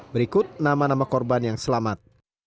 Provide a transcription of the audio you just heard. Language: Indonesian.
berikut nama nama korban yang selamat